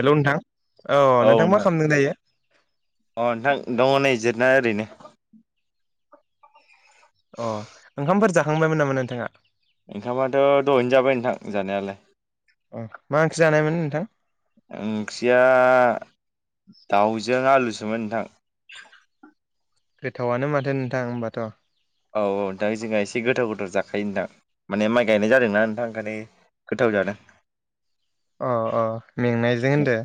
हेल' नोंथां अ नोंथां मा खालामदों दायो अ नोंथां दङ नै जिरायना ओरैनो अ ओंखामफोर जाखांबायमोन नामा नोंथाङा ओंखामाथ' दहैनोजाबाय नोंथां जानायालाय अ मा ओंख्रि जानायमोन नोंथां ओंख्रिया दाउजों आलुसोमोन नोंथां गोथावआनो माथो नोंथां होनोमबाथ' औ औ नोंथां जोंहा एसे गोथाव गोथाव जाखायो नोंथां माने माइ गायनाय जादोंनाा नोंथां ओंखायनो गोथाव जादों अ अ मेंनायजों होनदो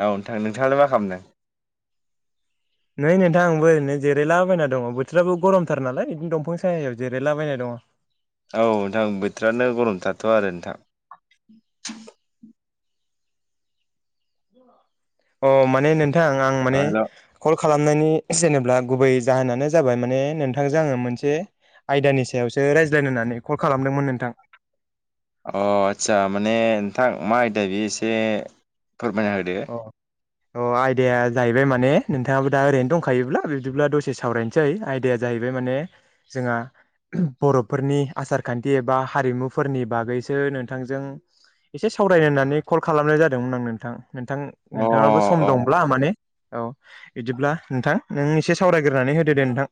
औ नोंथां नोंथाङालाय मा खालामदों नै नोंथां आंबो ओरैनो जिरायलाबायना दङ बोथोराबो गरमथार नालाय बिदिनो दंफां साहायाव जिरायलाबायना दङ अ औ नोंथां बोथोरानो गरम थाथ' आरो नोंथां अ माने नोंथां आं अ माने हेल' कल खालामनायनि जेनेब्ला गुबै जाहोनानो जाबाय माने नोंथांजों आङो मोनसे आयदानि सायावसो रायज्लायनो होननानै कल खालामदोंमोन नोंथां अ आचसा माने नोंथां मा आयदा बे एसे फोरमायना होदो अ अ आयदाया जाहैबाय मा ने नोंथाङाबो दा ओरैनो दंखायोब्ला बिदिब्ला दसे सावरायनोसै आयदाया जाहैबाय माने जोंहा बर'फोरनि आसार खान्थि एबा हारिमुफोरनि बागैसो नोंथांजों एसे सावरायनो होन्नानै कल खालामनाय जादोंमोन आं नोंथां नोंथां अ नोंथाङाबो अ सम दंब्ला माने औ बिदिब्ला नोंथां नों एसे सावरायग्रोनानै होदो दे नोंथां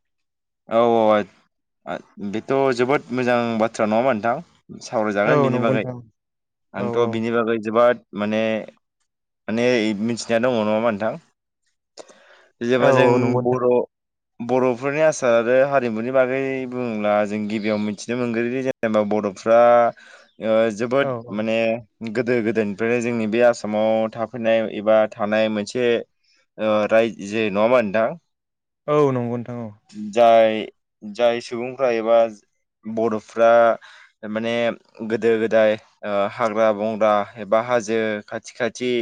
औ औ बेथ' जोबोद मोजां बाथ्रा नङामोन नोंथां औ सावरायजागोन बिनि नंगौ बागै नोंथां औ आंथ' बिनि बागै जोबोद माने माने मिथिनाया दङ नङा होनबा नोंथां औ जेबा जों औ नंगौ नोंथां बर' बर'फोरनि आस र आरो हारिमुनि बागै बुङोब्ला जों गिबियाव मिथिनो मोनग्रोयो जेनेबा बर'फ्रा औ जोबोद माने गोदो गोदायनिफ्रायनो जोंनि बे आसामाव थाफैनाय एबा थानाय मोनसे रायजो जे नङा होनबा नोंथां औ नंगौ नोंथां औ जाय जाय सुबुंफ्रा एबा बर'फ्रा माने गोदो गोदाय हाग्रा बंग्रा एबा हाजो खाथि खाथि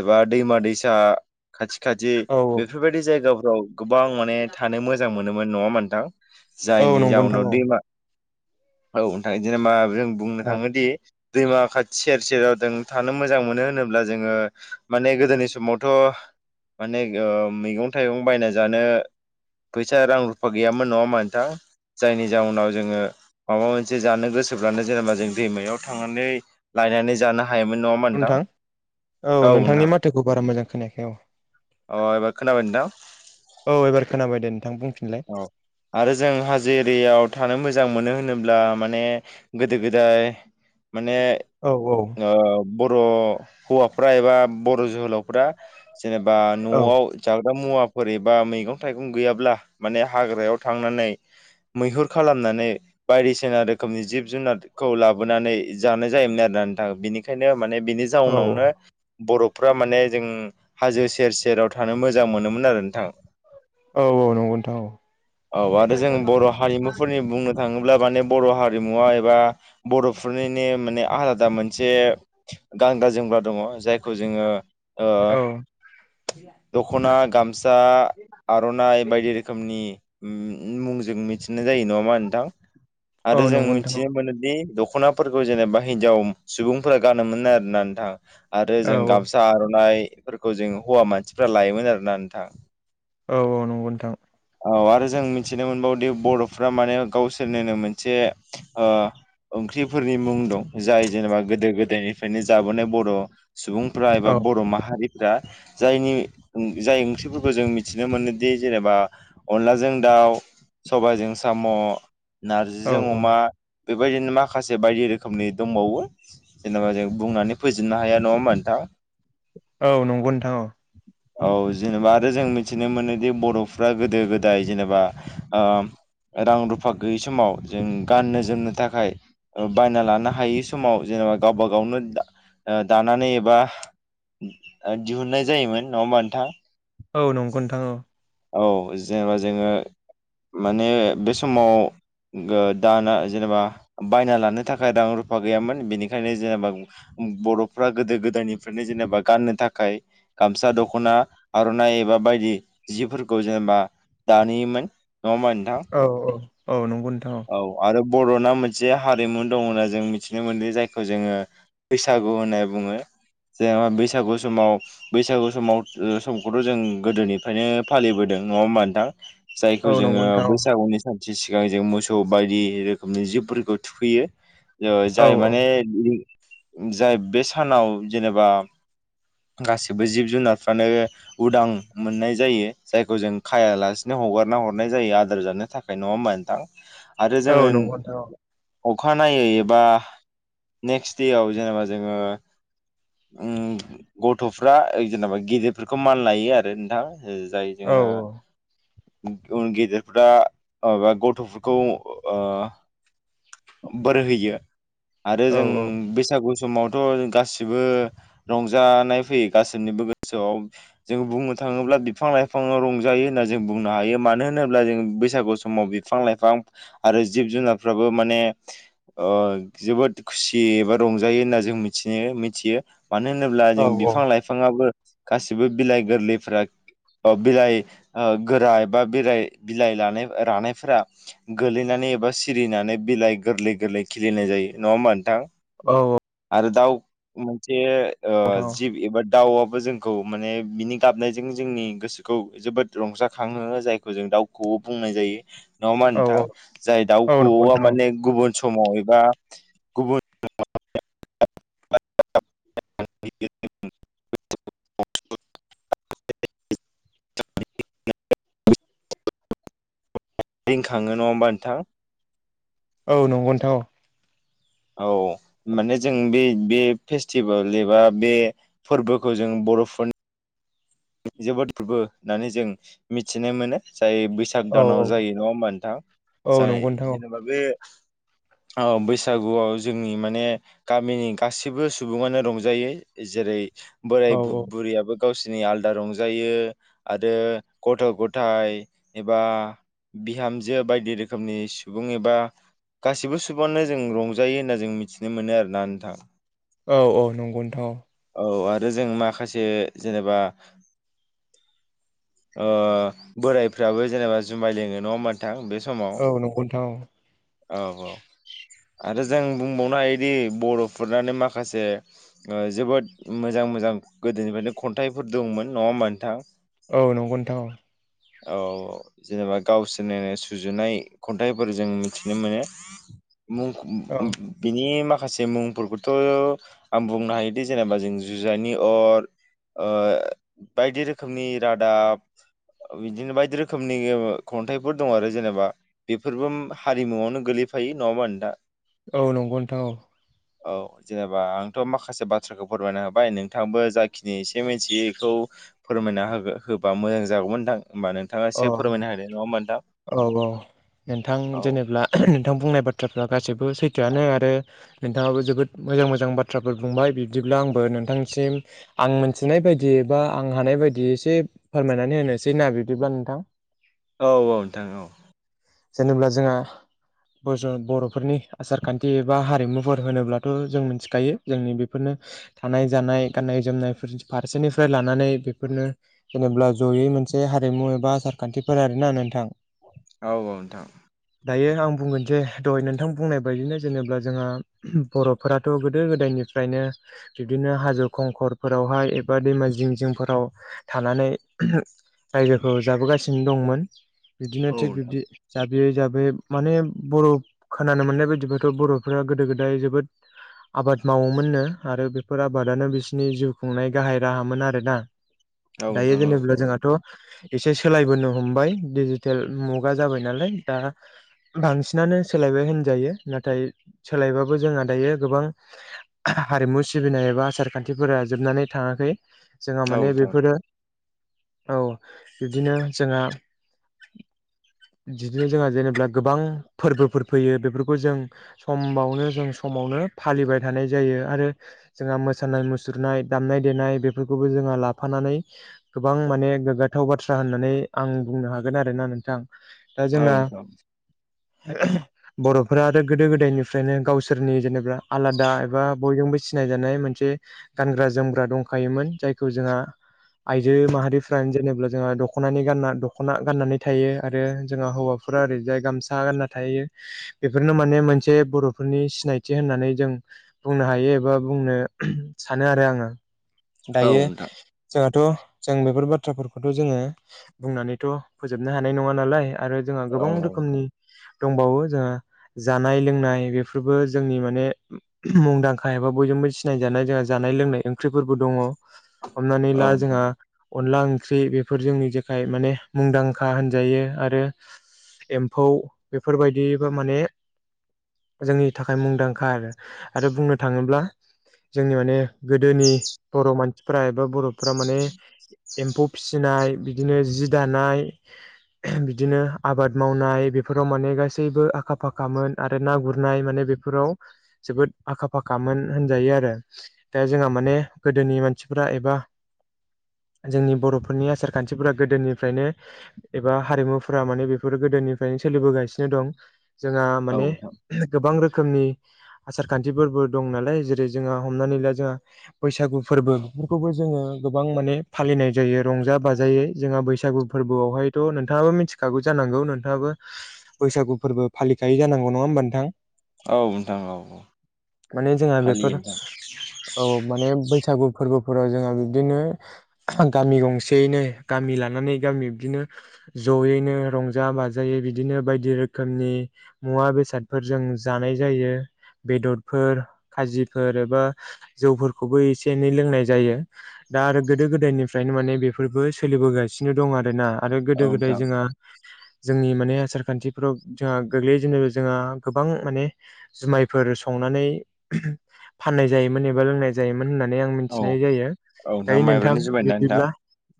एबा दैमा दैसा खाथि खा खाथि औ बेफोरबायदि जायगाफ्राव गोबां माने थानो मोजां मोनोमोन नङा होनबा नोंथां औ औ जायनि नंगौ नोंथां जाउनाव औ दैमा औ जेनेबा जों बुंनो औ थाङोदि दैमा खाथि सेर सेराव जों थानो मोजां मोनो होनोब्ला जोङो माने गोदोनि समावथ' माने मैगं थाइगं बायना जानो फैसा रां रुफा गैयामोन नङा होनबा नोंथां जायनि जाउनाव जोङो माबा मोनसे जानो गोसोब्लानो जेनेबा जों दैमायाव थांनानै बायनानै जानो हायोमोन नङा होमबा नोंथां औ नोंथांनि माथोखौ बारा मोजां खोनायाखै औ अ एबा खोनाबाय दां औ एबार खोनाबाय दे नोंथां बुंफिनलाय औ आरो जों हाजो एरियाव थानो मोजां मोनो होनोब्ला माने गोदो गोदाय माने औ आ बर' हौवाफ्रा एबा बर' जोहोलावफ्रा जेनेबा औ न'आव जाग्रा मुवाफोर एबा मैगं थायगं गैयाब्ला माने हाग्रायाव थांनानै मैहुर खालामनानै बायदिसिना रो रोखोमनि जिब जुनारखौ लाबोनानै जानाय जायोमोन आरोना नोंथाङा बेनिखायनो माने बिनि औ जाउनावनो बर'फ्रा माने जों हाजो सेर सेराव थानो मोजां मोनोमोन आरो नोंथां औ नंगौ नोंथां औ औ आरो जों बर' हारिमुफोरनि बुंनो थाङोब्ला माने बर' हारिमुवा एबा बर'फोरनिनो माने आलादा मोनसे गानग्रा जोमग्रा दङ जायखौ जोङो दख'ना गामसा आर'नाइ बायदि रोखोमनि मुंजों मि नाय जायो नङा नोंथां औ आरो जों नंगौ नोंथां मिथिनो मोनोदि द दख'नाफोरखौ जेनेबा हिनजाव सुबुंफोरा गानोमोन आरोना नोंथां आरो औ जों गामसा आर'नाइफोरखौ जों हौवा मानसिफ्रा लायोमोन आरोना नोंथां औ औ नंगौ नोंथां औ आरो जों मिथिनो मोनबावदि बर'फ्रा माने गावसोरनोनो मोनसे ओंख्रिफोरनि मुं दं जाय जेनेबा गोदो गोदायनिफ्रायनो जाबोनाय बर' सुबुंफ्रा एबा औ बर' माहारि दा जायनि जाय ओंख्रिफोरखौ जों मिथिनो मोनोदि जेनेबा अनलाजों दाउ सबायजों साम' औ नारजिजों औ अमा बेबायदिनो माखासे बायदि रोखोमनि दंबावो जेनेबा जों बुंनानै फोजोबनो हाया नङा होनोबा नोंथाङा औ नंगौ नोंथां औ जेनेबा आरो जों मिथिनो मोनोदि बर'फ्रा गोदो गोदाय जेनेबा रां रुफा गैयि समाव जों गाननो जोमनो थाखाय बायना लानो हायै समाव जों गावबा गावनो दानानै एबा दिहुननाय जायोमोन नङा होमबा नोंथां औ नंगौ नोंथां औ औ जेनेबा जोङो माने बे समाव दाना जेनेबा बायना लानो थाखाय रां रुफा गैयामोन बेनिखायनो जेनेबा बर'फ्रा गोदो गोदायनिफ्रायनो जेनेबा गाननो थाखाय गामसा दख'- दखना आर'नाइ एबा बायदि जिफोरखौ जेनेबा दायोमोन नङा होमबा नोंथां औ औ औ नंगौ नोंथां औ आरो बर'ना मोनसे हारिमु दं होनना जों मिथिनो मोनदों जायखौ जोङो बैसागु होनना बुङो जेनेबा बैसागु समाव बैसागु समाव समखौथ' जों गोदोनिफ्रायनो फालिबोदों नङा होमबा नोंथां औ जायखौ औ जोङो नंगौ नोंथां बैसागुनि सान से सिगां जों मोसौ बायदि रोखोमनि जिबफोरखौ थुखैयो औ जाय माने जाय बे सानाव जेनेबा गासिबो जिब जुनार फानो उदां मोननाय जायो जायखौ जों खायालासेनो हगारना हरनाय जायो आदार जानो नो थाखाय नङा होनबा नोंथां आरो औ जोङो नंगौ दे अ अखानायै एबा नेक्स्ट देयाव‌ जेनेबा जोङो उ गथ'फ्रा जेनेबा गिदिरफोरखौ मान लायो आरो नोंथां जाय औ जोङो उ गेदेरफोरा बा गथ'फोरखौ ओ बोर होयो आरो औ जों बैसागु समावथ' गासिबो रंजानाय फैयो गासिनिबो गोसोआव जों बुंनो थाङोब्ला बिफां लाइफाङाव रंजायो होनना जों बुंनो हायो मानो होनोब्ला जों बैसागु समाव बिफां लाइफां आरो जिब जुनारफ्राबो माने ओ जोबोद खुसि एबा रंजायो होनना जों मिथिनो मिथियो मानो होनोब्ला औ जों बिफां लाइफाङाबो गासिबो बिलाइ गोरलैफ्रा बिलाइ गोरा एबा बि बिलाइ लानाय रानायफोरा गोलैनानै एबा सिरिनानै बिलाइ गोरलै गोरलै खिलिनाय जायो नङा होमबा नोंथां औ आरो दाउ मोनसे नोंथां जिब एबा दाउआबो जों खौ माने बिनि गाबनायजों जोंनि गोसोखौ जोबोद रंजाखांहोयो जायखौ जों दाउखौ बुंनाय जायो नङा होनबा औ नोंथां जाय औ दाउखौ नंगौ नोंथां माने गुबुन समाव एबा गुबुन [unintelligible] रिंखाङो नङा होमबा नोंथां औ नंगौ नोंथां औ औ माने जों बे बे फेस्टिभेल एबा बे फोरबोखौ जों बर'फोरनि जोबोद फोरबो होननानै जों मिथिनो मोनो जाय बैसाग औ औ दानाव जायो नङा होमबा नोंथां औ जाय नंगौ नोंथां जेनेबा बे [inaudible] बैसागुआव जोंनि माने गामिनि गासैबो सुबुङानो रंजायो। जेरै बोराइ औ बु-बुरियाबो गावसिनि आल दा रंजायो आरो गथ' गथाय एबा बिहामजो बायदि रोखोमनि सुबुं एबा गासिबो सुबुङानो जों रंजायो होनना जों मिथिनो मोनो आरोना नोनथां। औ औ नंगौ नोंथां औ औ आरो जों माखासे जेनेबा ओ बोरायफ्राबो जेनेबा जुमाय लोङो नङा होमबा नोंथां बे समाव औ नंगौ नोंथां औ औ। आरो जों बुंबावनो हायोदि बर'फोरानो माखासे ओ जोबोद मोजां मोजां गोदोनिफ्रायनो खन्थाइफोर दंमोन । नङा होनबा नोंथां? औ नंगौ नोंथां औ औ जेनेबा गावसोरनो सुजुनाय खन्थाइफोर जों मिथिनो मोनो। मुंख औ बिनि माख खासे मुंफोरखौथ' आं बुंनो हायोदि जेनेबा जों जुजानि अर ओ बायदि रोखोमनि रादाब बिदिनो बायदि रोखोमनि खन्थाइफोर दं आरो जेनेबा बेफोरबो हारिमुवावनो गोलै फायो नङा होमबा नोंथा? औ नंगौ नोंथां औ। औ जेनेबा आंथ' माखासे बाथ्राखौ फोरमायना होबाय नोंथांबो जाखिनि एसे मिथियो इखौ फोरमायना होगो होबा मोजां जागौमोन नोंथां। होमबा नोंथाङा औ एसे अ फोरमायनो होदो नङा होमबा नोंथां। नोनथां औ जेनेब्ला नोंथां बुंनाय बाथ थ्राफ्रा गासैबो सैथोआनो आरो नोंथाङाबो जोबोद मोजां मोजां बाथ्राफोर बुंबाय बिदिब्ला आंबो नो नोंथांसिम आं मोनथिनाय बायदियै बा आं हानाय बायदियै एसे फोरमायनानै होनोसै ना बिदिब्ला नोंथां। औ औ नोंथां औ। जेनेब्ला जोंहा बज' बर'फोरनि आसारखान्थि एबा हारिमुफोर होनोब्लाथ' जों मिथिखायो जोंनि बेफोरनो थानाय जानाय गाननाय जोमनाय फोर फारसेनिफ्राय लानानै बेफोरनो जेनेब्ला जयै मोनसे हारिमु एबा आसारखान्थिफोर आरोना नोनथां। औ औ नोंथां। दायो आं बुंगोन जे दहाय नोंथां बुंनाय बायदिनो जेनेबा जोंहा बर'फोराथ' गोदो गोदायनि फ्रायनो बिब्दिनो हाजो खंखरफोरावहाय एबा दैमा जिं जिंफोराव थानानै रायजोखौ जाबोगासिनो दंमोन बिदिनो औ थिग नोंथां बिब्दि दा बे हिसाबै माने बर' खोनानो मोननाय बायदिब्लाथ' बर'फ्रा गोदो गोदाय जोबोद आबाद मावोमोन नो आरो बेफोर आबादानो बिसिनि जिउ खुंनाय गाहाय राहामोन आरोना। औ दायो नोंथां औ जेनेब्ला जोंहाथ' एसे सोलायबोनो हमबाय दिडिजिटेल मुगा जाबाय नालाय दा बांसिनानो सोलायबाय होनजायो नाथाय सोलायबाबो जोंहा दायो गोबां हारिमु सिबिनाय एबा आसार खान्थिफोरा जोबनानै थाङाखै जोंहा औ माने नोंथां बेफोरो औ बिब्दिनो जोंहा बिदिनो जोंहा जेनेब्ला गोबां फोरबोफोर फैयो बेफोरखौ जों समबावनो जों समावनो फालिबाय थानाय जायो आरो जोंहा मोसानाय मुसुरनाय दामनाय देनाय बेफोरखौबो जोंहा लाफा नानै गोबां माने गोग्गाथाव बाथ्रा होननानै आं बुंनो हागोन आरोना नोंथां। दा औ जोंना नोंथा औ [unintelligible] बर'फोरा आरो गोदो गोदायनिफ्रायनो गावसोरनि जेनेब्ला आलादा एबा बयजोंबो सिनायजानाय मोनसे गानग्रा जोमग्रा दंखायोमोन जायखौ जोंहा आइजो माहारिफ्रानो जेनेबा जोंहा दख'नानि गानना दख'ना गाननानै थायो आरो जोंहा हौवाफोरा ओरैजाय गामसा गानना थायो बेफोरनो माने मोनसे बर'फोरनि सिनायथि होन नानै जों बुंनो हायो एबा बुंनो सानो आरो आङो औ दायो नोंथां औ जोंहा थ' जों बेफोर बाथ्राफोरखौथ' जोङो बुंनानैथ' फोजोबनो हानाय नङा नालाय आरो जोंहा गोबां रोखोमनि दंबावो जोंहा जानाय लोंनाय बेफोरबो जोंनि माने मुंदांखा एबा बयजों सिनाय जानाय जोंहा जानाय लोंनाय ओंख्रिफोरबो दङ हमनानै ला औ नोंथां जोंहा अनला ओंख्रि बेफोर जोंनि जेखाय माने मुंदांखा होनजायो आरो एम्फौ बेफोरबायदि माने जोंनि थाखाय मुंदांखा आरो आरो बुंनो थाङोब्ला जोंनि माने गोदोनि बर' मानसिफ्रा एबा बर'फ्रा माने एम्फौ फिसिनाय बिदिनो जि दानाय बिदिनो आबाद मावनाय बेफोराव माने गासैबो आखा फाखामोन आरो ना गुरनाय माने बेफोराव जोबोद आखा फाखामोन होनजायो आरो दा जोंहा माने गोदोनि मानसिफ्रा एबा जोंनि बर'फोरनि आसार खान्थिफोरा गोदोनिफ्रायनो एबा हारिमु फोर माने बेफोर गोदोनिफ्रायनो सोलिबोगासिनो दं जोंहा औ नोंथां औ माने गोबां रोखोम रोखोमनि आसार खान्थिफोरबो दं नालाय जेरै जोंहा हमनानै ला जोंहा बैसागु फोरबो बेफोरखौबो जोङो गोबां माने फालिनाय जायो रंजा बाजायै जोंहा बैसागु फोरबोआवहायथ' नोंथाङाबो मिथिगौ खागु जानांगौ नोंथाङाबो बैसागु फोरबो फालिखायोै जानांगौ नङा होमबा नोंथां औ नोंथां औ औ माने जोंहा बेफोर फालियो नोंथां औ माने बैसागु फोरबो फोराव जोंहा बिबदिनो गामि गंसेैनो गामि लानानै गामि बिदिनो जयैनो रंजा बाजायै बिदिनो बायदि रोखोमनि मुवा बेसादफोरजों जानाय जायो बेदरफोर खाजिफोर एबा जौफोरखौबो एसे एनै लोंनाय जायो दा आरो गोदो गोदायनिफ्रायनो माने बेफोरबो सोलिबोगासिनो दं आर ना आरो औ गोदो गोदाय नोंथां जोंहा जोंनि माने आसार खान्थिफोराव जोंहा गोग्लै जेननो जोंहा गोबां माने जुमायफोर सनानै फाननाय जायोमोन एबा लोंनाय जायोमोन होननानै आं औ मिथिनाय जायो ओइ नोंथां माइब्रानि जुमाय ना नोंथां बिदिब्ला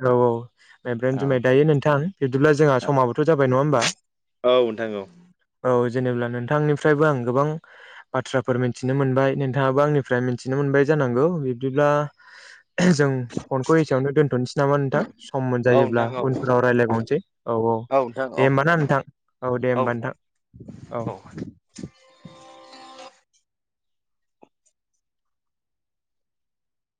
औ औ माइब्रायानो जुमाय दायो नोंथां बिदिब्ला जोंहा समाबोथ' जाबाय नङा होमबा औ नोंथां औ औ जेनेबा नोंथांनिफ्रायबो आं गोबां बाथ्राफोर मिथिनो मोनबाय नोंथाङाबो आंनिफ्राय मिथिनो मोनबाय ज बिदिब्ला जों फनखौ एसेयावनो दोनथ'नोसै नामा नोंथां सम औ मोनजायोब्ला नोंथां औ उनफोराव राय्लायबावनोसै औ औ नोंथां दे औ होमबा ना नोंथां औ दे होमबा नोंथां औ [inaudible]